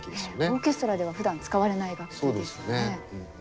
オーケストラではふだん使われない楽器ですよね。